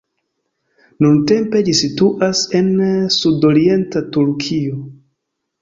Nuntempe ĝi situas en sudorienta Turkio.